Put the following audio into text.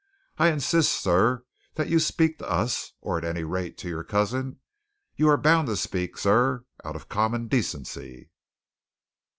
I insist, sir, that you speak to us or at any rate to your cousin you are bound to speak, sir, out of common decency!"